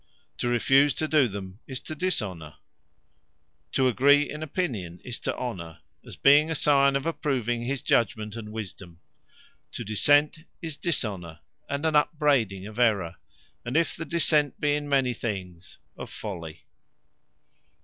To refuse to do them, is to Dishonour. To agree with in opinion, is to Honour; as being a signe of approving his judgement, and wisdome. To dissent, is Dishonour; and an upbraiding of errour; and (if the dissent be in many things) of folly.